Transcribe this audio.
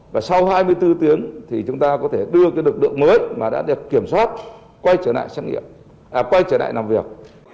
và sau hai mươi bốn tiếng thì chúng ta có thể đưa cái lực lượng mới mà đã được kiểm soát quay trở lại làm việc